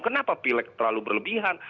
kenapa pilih terlalu berlebihan